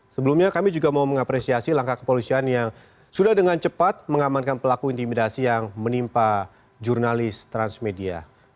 sebelumnya kami juga mau mengapresiasi langkah kepolisian yang sudah dengan cepat mengamankan pelaku intimidasi yang menimpa jurnalis transmedia